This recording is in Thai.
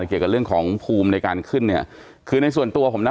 เกี่ยวกับเรื่องของภูมิในการขึ้นเนี่ยคือในส่วนตัวผมนะ